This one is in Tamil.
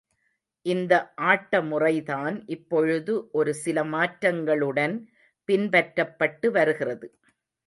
இந்த ஆட்ட முறைதான் இப்பொழுது ஒரு சிலமாற்றங்களுடன் பின்பற்றப்பட்டு வருகிறது.